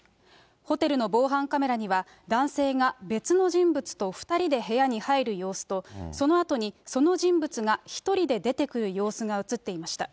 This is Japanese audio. ホテルの防犯カメラには、男性が別の人物と２人で部屋に入る様子と、そのあとにその人物が１人で出てくる様子が写っていました。